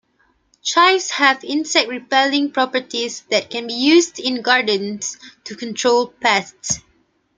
Chives have insect-repelling properties that can be used in gardens to control pests.